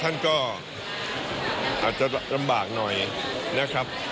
ท่านก็อาจจะลำบากหน่อยนะครับ